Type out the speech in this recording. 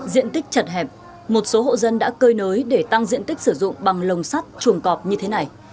diện tích chật hẹp một số hộ dân đã cơi nới để tăng diện tích sử dụng bằng lồng sắt chuồng cọp như thế này